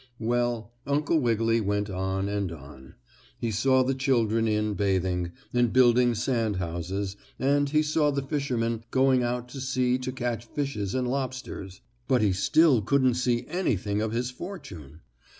Well, Uncle Wiggily went on and on. He saw the children in bathing, and building sand houses, and he saw the fishermen going out to sea to catch fishes and lobsters, but still he couldn't see anything of his fortune.